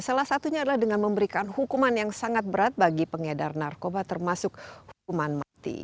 salah satunya adalah dengan memberikan hukuman yang sangat berat bagi pengedar narkoba termasuk hukuman mati